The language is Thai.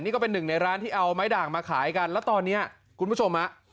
นี่ก็เป็นหนึ่งในร้านที่เอาไม้ด่างมาขายกันแล้วตอนนี้คุณผู้ชมฮะ